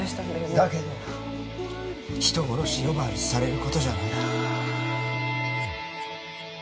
だけど人殺し呼ばわりされることじゃない